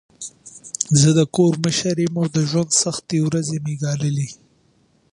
زه د کور مشر یم او د ژوند سختې ورځي مې ګاللي.